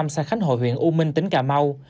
xã khánh hội huyện u minh tỉnh cà mau